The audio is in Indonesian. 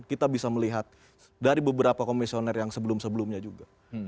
kita bisa melihat dari beberapa komisioner yang sebelum sebelumnya juga